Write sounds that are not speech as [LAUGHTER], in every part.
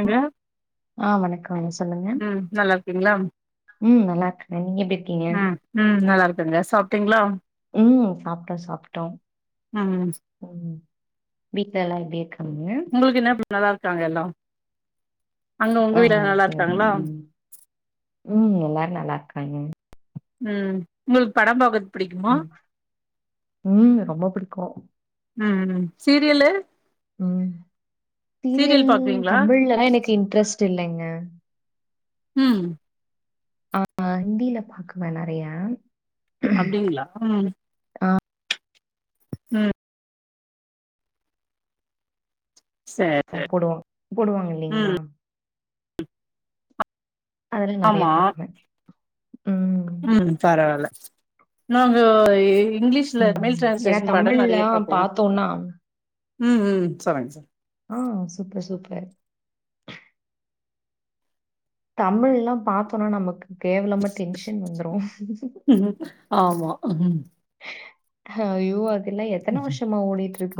அங்க ஆ வணக்கங்க. சொல்லுங்க. ம் நல்லா இருக்கீங்ளா ம் நல்லா இருக்கேங்க. நீங்க எப்டி இருக்கீங்க? அ ம் நல்லா இருக்கங்க சாப்ட்டீங்ளா ம் சாப்ட்ட சாப்ட்டோ ஆ வீட்லலா எப்டி இருக்கு உங்களுக்கென்ன நல்லா இருக்காங்க எல்லா அங்க உங்க ஆ வீட்ல நல்லா ஓகே ஓகே இருக்காங்களா ம் ம் எல்லாரு நல்லா இருக்காங்க ம் உங்களுக்கு படம் பாக்க ம் ம் ரொம்ப பிடிக்கு ம் ம் சீரியலு ம் தீரியல் சீரியல் பாக்குவீங்களா தமிழ்லலா எனக்கு இன்ட்ரெஸ்ட் இல்லைங்க ம் ஆ ஆ ஹிந்தில பாக்குவே நெறையா அப்டிங்ளா ம் ம் சேரி அ சேரி போடுவா போடுவாங்க இல்லைங்ளா ம் அதெல்லாம் நெறையா ஆமா பாக்குவேன். ம் பரவால்ல நாங்க இ இங்லீஷ்ல தமிழ் ம். ஏன்னா ட்ரான்ஸ்லேஷன் பட நெறைய தமிழ்லாம் பாக்குவோ பாத்தோம்னா ம் ம் செரிங்க செரிங் ஆ சூப்பர் சூப்பர் தமிழ்ல்லா பாத்தொன்ன நமக்கு கேவலமா டென்ஷன் வந்துரு சொல்லுங்க ஆமா அய்யோ அது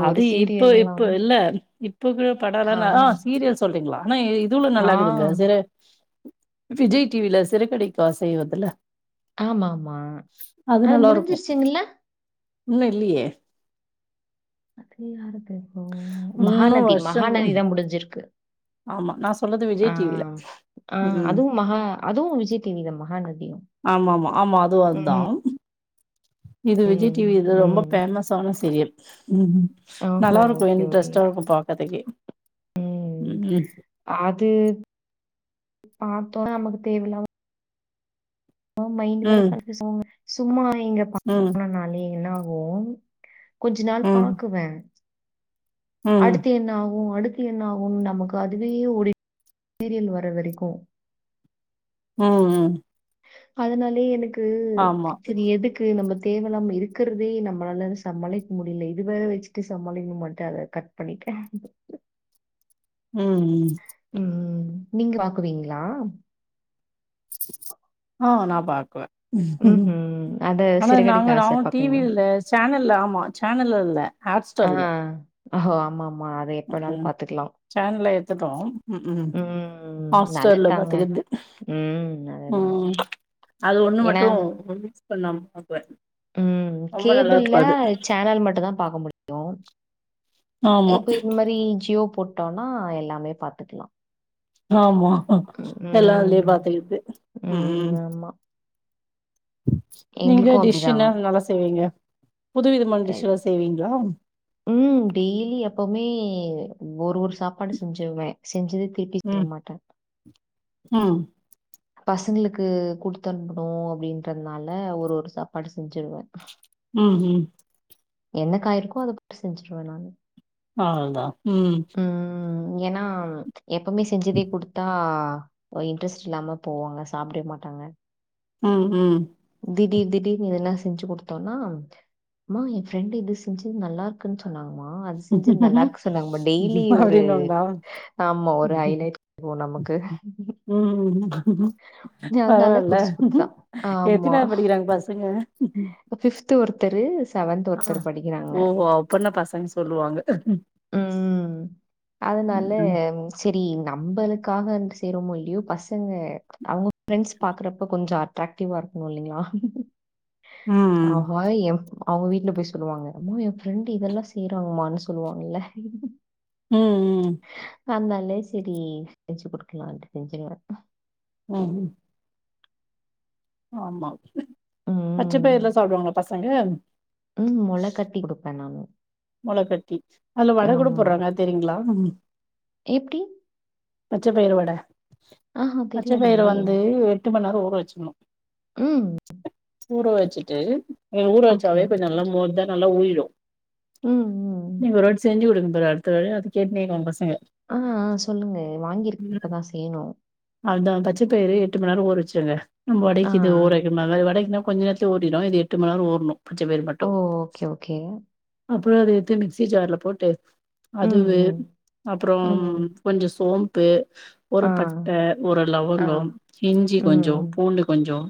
அது இப்ப இப்ப சீரியல்லாம். இல்ல இப்ப கூட படோலா நா ஆ சீரிய ல் சொல்றீங்களா ஆனா இதுல ஆ, நல்லாக்குதுங்க சிற விஜய் டிவில சிறகடிக்க ஆசை வருதுல்ல ஆமாமா அது நல்லா இருக்கு முடிஞ்சிருச்சிங்கல்ல இன்னு இல்லையே அது யாரது அப்போ இன்னு மகாநதி வருஷம் மகாநதி ம். தா முடிஞ்சிருக்கு ஆமா நா சொல்றது ஆ விஜய் டிவில ஆ ம் அதுவு மகா அதுவு விஜய் டீவிதா மகாநதி ஆமா ஆமா ஆமா அதுவு அதா இது விஜய் ம், டீவி இது ரொம்ப ம். பேமஸான சீரியல் ம்ம் ஓஹோ! நல்லா இருக்கு ஓகே, ஓகே. இன்ட்ரெஸ்ட்டா இருக்கு பாக்கதுக்கே ம் அது பாத்தோனா நமக்கு தேவல்லாம ஆ மைண்ட் வர ம் கெடச்சிச்சிங்க சும்மா இங்க ம் பண்ணனுனாலே என்ன ஆகு ஓன் கொஞ்ச நாள் ம் பாக்குவே ம் அடுத்து என்ன ஆகு அடுத் து என்ன ஆகு நமக்கு அதுவே ஓடிட் சீரியல் வர வரைக்கு ம் ம் அதனாலே எனக்கு ஆமா செரி எதுக்கு நம்ம தேவல்லாம இருக்றதே நம்மளால சமாளிக்க முடியல இது வேற வச்சிட்டு சமாளிக்கமாட்டே அத கட் பண்ணிட்டோ ஆ ம் ம் நீங்க பாக்குவீங்களா ஆ நா பாக்குவே ம்ஹ்ம். அத ஆனா நாங்க சிறகடிக்க ஆசை நாங்களு பாப்பீங்களா? டிவில இல்ல சேனல்ல ஆமா சேனல் இல்ல ஹாட் ஸ்டார்ல அஹோ ஆமா ஆமா அத எப்பனாலு பாத்துக்கலா சேனல எடுத்துட்டோ ம் ம் ம். ஹாட் ஸ்டார்ல நல்லதுதாங்க. பாத்துக்குறது ம். ம் அதுதான். ம் அது ஒண்ணு ஏன்னா, மட்டு மிஸ் பண்ணாம பாக்குவே ம் கேபிள்ல சேனல் மட்டு தா பாக்க முடியு ஆமா, இப்ப இந்த மாரி ஜியோ போட்டோன்னா எல்லாமே பாத்துக்கலா ஆமா எல்லா அதுலயே பாத்துக்கிறது ம் ம் நீங்க எங்களுக்கும் டிஷ் அப்படிதான் என்ன நல்லா செய்வீங்க புதுவிதமான டிஷ் எல்லா செய்வீங்களா ம் டெய்லி எப்பவுமே ஒரு வருஷ சாப்பாடு செஞ்சிருவே செஞ்சதே திருப்பி செய்ய ம், மாட்டே ம் பசங்களுக்கு குடுத்தனுப்பனு அப்டின்றதுனால ஒரு ஒரு சாப்பாடு செஞ்சிடுவே ம் ம் என்ன காய் இருக்கோ அத போட்டு செஞ்சிருவே நானு அவ்ளதா ம் ம் ஏன்னா எப்பவுமே செஞ்சதே குடுத்தா ஒரு இன்ட்ரெஸ்ட் இல்லாம போவாங்க சாப்டவே மாட்டாங்க ம் ம் திடீர் திடீர்னு எதுனா செஞ்சி குடுத்தோன்னா அம்மா ஏ ஃப்ரெண்ட் இது செஞ்சி நல்லா இருக்குன்னு சொன்னாங்க ம்மா அது செஞ்சது நல்லா இருக்கு சொன்னாங்கம்மா டெய்லி ஒரு அப்டின்னுவாங்களா? ஆமா ஒரு ஹை ம், லைட் வந்துரு நமக் கு ம் அதனால பரவால்ல புதுசு புதுசா. எத்தினாப்படிக்கிறாங்க பசங்க பிஃப்து ஒருத்தரு ச வன்த் ஆ ஒருத்தர் படிக்கிறாங்க ஓஹோ அப்பன்னா பசங்க சொல்லுவாங்க உம் அதனால ம் சி தி நம்பருக்காக செய்றோமோ இல்லையோ பசங்க அவுங்க பிரெண்ட்ஸ் பாக்குறப்ப கொஞ்சம் அட்ரக்ட் டிவா இருக்கணும் இல்லைங்களா ம் அவுங்க வீட்டுல போய் சொல்லுவாங்க அம்மா என் ஃப்ரெண்டு இதெல்லாம் செய்யறாங்கமானு சொல்லுவாங்கல்ல உம் உம் அந்தாலே சேரி செஞ்சு குடுக்கலாம்ட்டு செஞ்சுருவேன் உம் உம் ஆமா பச்ச பயிர்லா சாப்டுவாங்களா பசங்க உம் முளை கட்டி கொடுப்பேன் நானு முளகட்டி அதுல வட கூட போடுறாங்க அது தெரியுங்களா எப்டி பச்ச பயிரு வட பச்ச பயிறு தெரியாதுங்களே! வந்து எட்டு மணி நேரம் ஊற வச்சுக்கணும் ம். ஊற வச்சுட்டு ஊற ஓகே. வச்சாவே கொஞ்சம் நல்லா மோ தா நல்லா உறிடும் ம், ம். நீங்க ஒருவாட்டி செஞ்சு கொடுங்க ப்ரோ அடுத்தவே அது கேட்டுனே இருப்பாங்க பசங்க உம் உம் சொல்லுங்க வாங்கியிருக்கு இப்பதான் செய்யணும் அதான் பச்ச பயிரு எட்டு மணி நேரம் ஊரவச்சிருங்க நம்ம ஆ, ஆ. வடைக்கு இது ஊரவைக்கிறமாரி வடைக்குனா கொஞ்ச நேரத்துல ஓடிடும் இது எட்டு மணி நேரம் ஓடணும் பச்ச பயிரு ஓ! மட்டும் ஓகே, ஓகே. அப்புறம் அத எடுத்து மிக்சி ஜார்ல போட்டு ம், அதுவு ம். அப்புறம் ம். கொஞ்சம் சோம்பு ஆ, ஒரு பட்ட ஒரு ஆ. லவங்கம் இஞ்சி கொஞ்சம் ம். பூண்டு கொஞ்சம்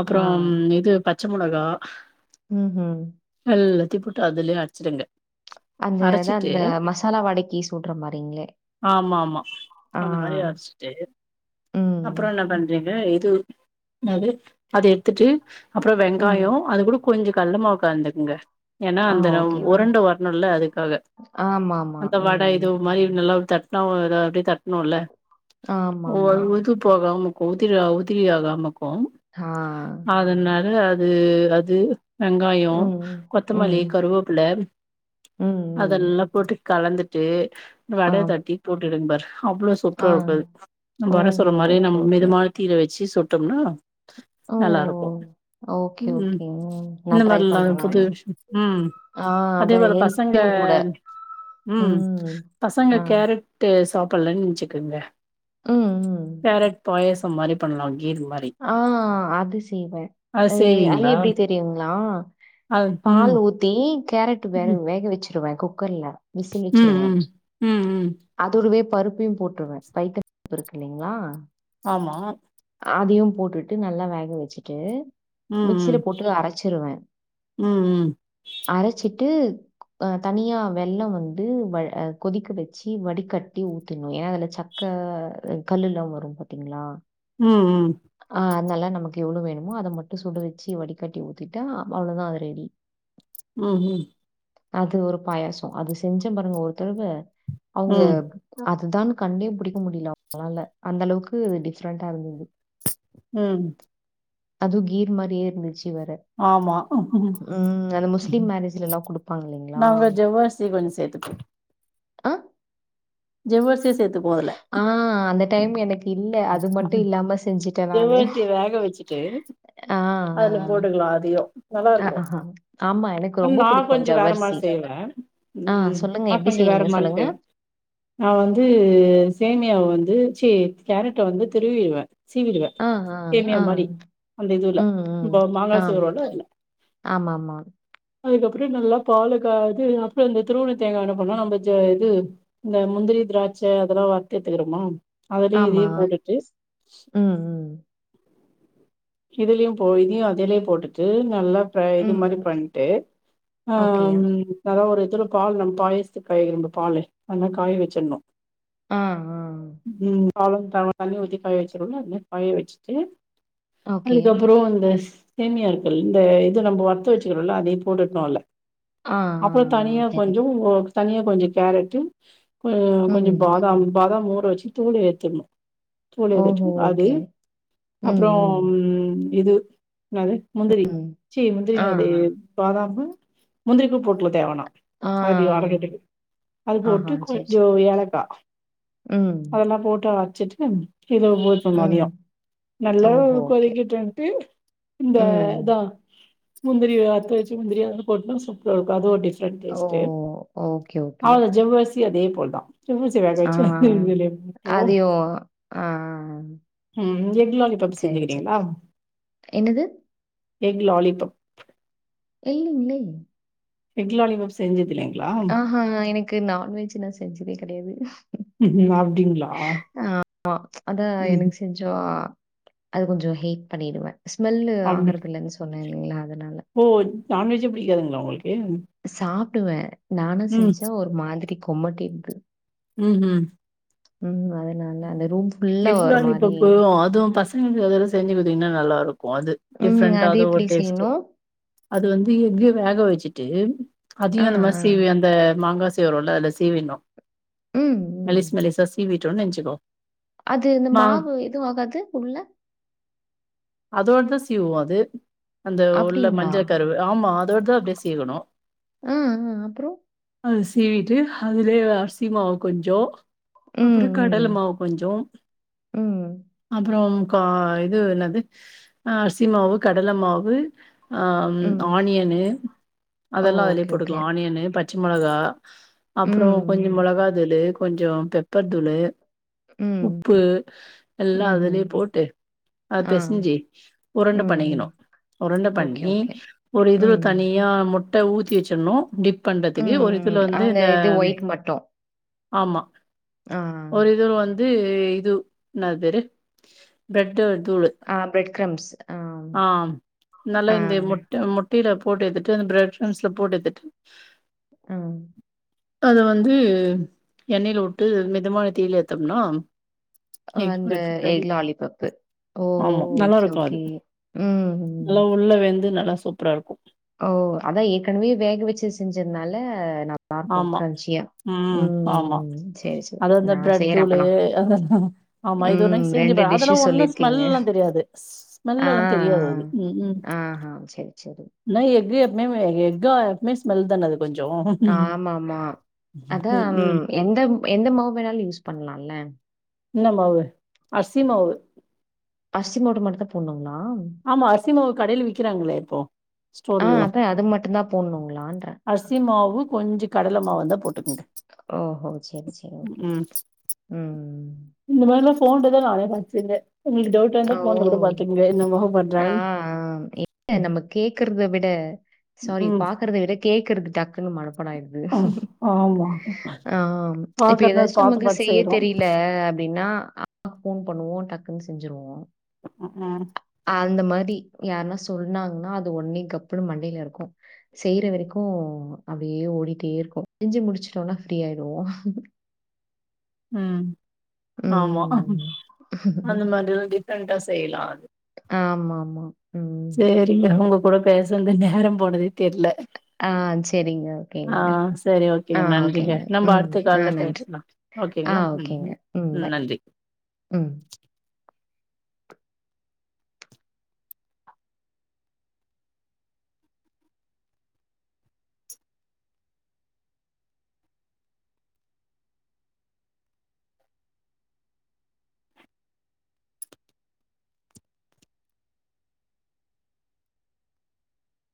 அப்புறம் இது பச்ச மிளகா உம் ஹும் சுத்தி போட்டு அதுலே அடிச்சிடுங்க அந்த இதான் அந்த மசாலா வடக்கி சுடுற மாதிரிங்களே ஆமா ஆமா அந்த மாதிரி அரச்சுட்டு ம். அப்புறம் என்ன பண்றீங்க ஆஹ் இது அது அது எடுத்துட்டு அப்புறம் ம். வெங்காயம் அது கூட கொஞ்சோ கடலமாவு கலந்துக்குங்க ஏன்னா ஆ அந்த அந்த ஓகே, ஓகே. உருண்ட வரணும்ல அதுக்காக ஆமாமா. அந்த வடை ம். இது மாதிரி நல்லா தட்டுனா ஒரு அப்டியே தட்ணும்ல ஆமாமா. ஒரு இது போகாம உதிரியா உதிரி ஆகாம இருக்கும் ஆ. அதனால அது அது வெங்காயம் ம். ம். கொத்தமல்லி கருவேப்பில அதெல்லாம் போட்டு கலந்துட்டு வடை தட்டி போட்டு எடுத்துட பாரு அவ்ளோ சூப்பரா இருக்கும் அது நம்ம வட ஓஹோ! சுடுர மாதிரி ஓகே, நம்ம ஓகே. மிதமான தீயில வச்சு சுட்டோம்னா ஓ! நல்லா இருக்கும் ஓகே, உம் உம் ஓகே. ம். இந்த நான் ட்ரை மாதிரல்லாம் பண்றேன் புது நானு. விஷயம் உம் ஆ, அதே அதான் போல பசங்க ஹெல்த்தியும் கூட. உம் ம். பசங்க ஆ. கேரட்டு சாப்டலன்னு வச்சுக்கங்க ம், ம். கேரட் பாயசம் மாதிரி பண்ணலாம் ஆமா அது செய்வே அது அது எப்டி தெரியுங்களா அது ம் பால் ஊத்தி கேரட் வே ம் வேக வச்சிருவேன் குக்கர்ல விசில் ம் வச்சிருவேன் ம் ம் ம் அதோடவே பருப்பையும் போட்ருவே பையித்தம் பருப்பு இல்லிங்களா ஆமா அதையும் போட்டுட்டு நல்லா வேக வச்சுட்டு ம் மிக்சில ம் போட்டு அரச்சிருவே ம் ம் அரச்சிட் ட்டு அ தனியா வெள்ளம் வந்து வல் அ கொதிக்க வ ச்சி வடிகட்டி ஊத்தனு ஏனா அதுல சக்க கல்லு எல்லா வரும் பாத்தீங்களா ம் ஆஹ் அதனால நமக் எவ்ளோ வேணுமோ அத மட்டு சுட வச்சி வடிகட்டி ஊத்திட்டா அவ்ளோதா அது ரெடி உம் ஹும் அது ஒரு பாயாசோ அது செஞ்ச பாருங்க ஒரு தடவ அவுங்க ம் அத் இதுதானு கண்டே புடிக்க முடில அவுங்ளால அந்த அளவுக்கு அது டிஃப்ரெண்டா இருந்துது ம் அதுவு கீர் மாரியே இருந்துச்சு வேற ஆமா ம் அந்த முஸ்லிம் மேரேஜ்ல எல்லா குடுப்பாங்க இல்லைங்ளா நாங்க ஜவ்வரிசி கொஞ்ச சேத்துப்போ அ ஜவ்வரிசி சேத்துக்வோ அதுல அந்த டைம் எனக் ம் நானு ஜவ்வரிசி வேக வச்சுட்டு ஆ, அதுல போட்டுக்லா அதையு ஆ, நல்லாருக்கு ஆஹா. ஆமா, எனக்கு ரொம்ப நா பிடிக்கும் கொஞ்ச வேற மாரி ஜவ்வரிசி. செய்வ ஆ, ம் சொல்லுங்க நா எப்படி கொஞ்ச வேற செய்வீங்க மாரி சொல்லுங்க? செய்வ நா வந்து சேமியாவ வந் து ச்சி கேரட்ட வந்து துருவிருவ சீவிடுவே ஆ, ஆ, சேமியா ஆ. மாரி அந்த இதுல ம், ம். ப்போ மாங்கா ஆ, சீவுரோல அதுல ஆமாமா அதுக்கப்றோ நல்லா பால காய வச்சு அதுப்றோ அந்த திறுவுன தேங்கா என்ன பண்ணோ நம்ம ஜ இது இந்த முந்திரி திராட்ச அதெலா வறுத்தெடுத்துக்றமா ஆமா. நெய்லயே ஆமா போட்டுட்டு ம், ம். இதுலயு போயி அதுலயே போட்டுட்டு நல்லா ஃப்ர இது ம். மாரி பண்ட்டு அ ஓகே. ம் நல்லா ஒரு இதுல பால் நம் பாயாசத்துக்கு காய [UNINTELLIGIBLE] பாலு அது மாரி காய வெச்சர்ணு ஆ ஆ அவ்ளோ [UNINTELLIGIBLE] தண்ணி ஊத்தி காய வச்சிருவோம்ல அந்த மாதிரி காய வச்சிட்டு ஓகே. அதுக்கப்புறோ அந்தஸ் சேமியா இருக்கு இந்த இது நம்ம வறுத்து வச்சிருக்கோம்ல அதையு போட்டுணு உள்ள ஆ, ஆ, அப்புற ஆ. தனியா சரி. கொஞ்சோ தனியா கொஞ்ச கேரட்டு ம் கொஞ்ச பாதாம் பாதாம் ஊற வச்சு தோல எடுத்திடணு தோலை ஓஹோ! எடுத்துட்டு அது ஓகே. அப் அப்புறோ ம் இது என்னது முந்திரி ம். ச்சீ முந்திரி ஆ, அது பாதாமு முந்திரி கூ போட்டுக்லா தேவனா ஆ. ஆ, அடி அரக்கறக்கு அது போட்டு ஆஹா. சரி, கொஞ்சோ சரி. ஏலக்கா ம், அதெல்லா போட்டு அரச்சிட்டு இது போச்சு ம். மதியோ நல்லா ஓஹோ! ஓகே. கொதிக்கட்டுட்ன்டு இந்த ம். இதா முந்திரி வறுத்து வெச்சு முந்திரி அதுல போட்டா சூப்பரா இருக்கு அது ஒரு டேஸ்ட் [UNINTELLIGIBLE] ஓ! Taste okay, okay. அவ்ள ஜவ்வரிசி அதே போல் தா ஜவ்வரிசி வேக வச்சு [UNINTELLIGIBLE] ஆ. அதையும் ஆ ம் பப் சரி, சரி. செஞ்சிருக்கீங்ளா என்னது? எக் லாலிபப் இல்லீங்ளே எக் லாலிபப் செஞ்சு ஆ ஹா எனக்கு நான்வெஜ்ஜு நா செஞ்சதே கெடையாது ம்ஹூம் அப்டிங்களா ஆமா அதா ம் எனக் செஞ்சா அது கொஞ்சோ ஹீட் பண்ணிடுவே அப்டி அதனால. ஓ நான்வெஜ்ஜே பிடிக்காதுங்ளா உங்ளுக்கு சாப்டுவே நானு செஞ்சா ஒரு மாதிரி கொமட்டிர்து ம் ஹு ம் அதனால அந்த ரூம் ஃபுல்லா எக் ஒரு மாரி லாலிபப்பு அது பசங்களுக்கு இதெல்லா செஞ்சு குடுத்திங்னா நல்லாருக் அது ம். டிஃப்ரெண்டா அது ஒரு எப்படி டேஸ்ட்டு செய்யணும்? அது வந்து எஃகு வேக வச்சுட்டு அதயு ஆ, ஆ. அந்த மாரி சீவி அந்த மாங்கா சீவரோல அதுல சீவிணு ம், ம். மெலிஸ் மெலிசா சீவிட்டோன் நெச்சுக்கோ அது இந்த மாவு எதுவு ஆகாது உள்ள அதோடதா சீவுவோ அது அந்த உள்ள அப்படிங்களா? மஞ்ச கருவு ஆமா அதோட தா அப்டியே சீவணு ஆ அப்றோ அத சீவிட்டு அதுலயே அரிசி மாவு கொஞ்சோ அப்ற ம், கடல ம். மாவு கொஞ்சோ ம். அப்ற கா இது என்னது அரிசி மாவு கடல மாவு ஆ ம் ஆனியனு அதெலா அதுலயே போட்டுக்லா ஆனியனு பச்ச மொளகா அப்றோ கொஞ்ச மொளகா தூளு கொஞ்ச பெப்பர் தூளு உப்பு எல்லா அதுலயே போட்டு அது பெசிஞ்சு உருண்ட பண்ணிக்கணு உருண்ட பண்ணி ஒரு இதுல தனியா முட்ட ஊத்தி வச்சிர்ணு டிப் பண்றதுக்கு ஒரு இதுல வந்து அந்த இந்த இது ஒயிட் மட்டும். ஆமா ஆ. ஒரு இது வந்து இது என்ன அது பேரு பிரட் டு தூளு ஆ பிரெட் கிரம்ப்ஸ். ஆ நல்ல ஆ. இந்த முட்ட முட் டைல போட்டு எடுத்துட்டு இந்த பிரெட் க்ரம்ஸ்ல போட்டு எடுத்துட்டு ஆ அத வந்து எண்ணெய்ல உட்டு மிதமான தீல எடுத்தம்னா அந்த எக் லாலிபப்பு ஓஹோ! ஆமா ஓகே. நல்லாருக்கு ஓகே. அது ம். ம். நல்லா உள்ள வெந்து நல்லா சூப்ரா இருக்கு ஓ அதா ஏற்கனவே வேக வச்சு செஞ்சதுனால நல்லாருக்கு ஆமா க்ரன்ஜியா ம் ஆமா அது அந்த நான் பிரெட் செய்றேன் தூளு அப்பன்னா. அதா ஆமா இது ஒரு ம். லைன் செஞ்சு ப அதுலா டிஷ்ஷு ஒன்னு சொல்லியிருக்கீங்க. ஸ்மல்லா தெரியாது ஸ்மெல் ஆ. எல்லா தெரியாது ஆ. அது ம் ம் ஆஹா! சரி, சரி. ல்லா எக்கு எப்மே வெ எக்கா எப்மே ஸ்மெல் தான அது கொஞ்சோ க ஆமாமா அதா ம் எந்தம் எந்த மாவு வேணாலு யூஸ் பண்லால இன்ன மாவு அசி மாவு அசி மாவ்டு மட்டு தா போட்னுங்ளா ஆமா அர்சி மாவு கடைல விக்கிறாங்களே இப்போ ஆ ஸ்டோர்லலா அதான் அது மட்டும் தான் போடணுங்களான்றேன். அர்சி மாவு கொஞ்ச கடல மாவு இந்தா போட் ஓஹோ செர் செரி ஓகே ம் ம் இந்த மாரிலா ஃபோன்ல தா நானே பாத் செஞ்ச உங்குளுக்கு டவுட் வந்தா ஓ! ஃபோன்ல கூட பாத்துக்கங்க என்ன மாவு ஆ பண்றாங்கன்னு [INAUDIBLE] நம்ம கேக்குறத விட ம் சாரி ம். பாக்குறத விட கேக் கேக்கற்து டக்குனு மனப்பாடோ ஆயிட்து ஆமா ஆ இப்ப பாக்கறத எதாச்சு பாத்து நமக்கு பாத்து செய்ய செய்றோ தெரியில அப்டின்னா [INAUDIBLE] ஃபோன் பண்ணுவோ டக் குன் செஞ்சிருவோ ம் அந்த மாரி யாருனா சொன்னாங்னா அது ஒட்னே கப்புனு மண்டையிலருக்கூ செய்ற வரைக்கூ அப்டியே ஓடிட்டே இருக்கூ செஞ்சு முடிச்ட்டோனா ஃப்ரீ ஆயிருவோ ம் ஆமா உம் அந்த மாதிர் உ டிஃப்ரன்டா செய்லா அது ஆமா ஆமா உம் செரி உங்க கூட பேசன்து அந்த நேரம் போனதே தெர்ல ஆ சரிங்க ஓகேங்க ஆ செரி ஓகே ஆ நன்றிக ஓகேங்க நம்ம ம் அடுத்த ஆ கால்ல நன்றி பேசுலா ஆ ஓகேங்களா ம் ஓகேங்க ம் ம் பை நன்றி ம்